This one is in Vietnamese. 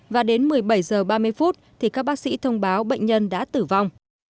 và đến một mươi bảy giờ ba mươi phút các bác sĩ thông báo bệnh nhân đã tử vong